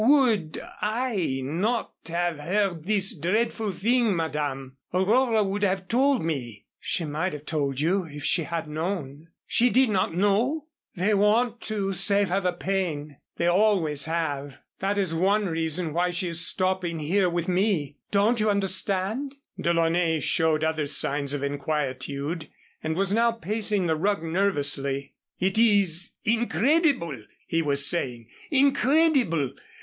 "Would I not have heard this dreadful thing, Madame? Aurora would have told me." "She might have told you if she had known." "She did not know?" "They want to save her the pain. They always have. That is one reason why she is stopping here with me. Don't you understand?" DeLaunay showed other signs of inquietude and was now pacing the rug nervously. "It is incredible!" he was saying, "incredible!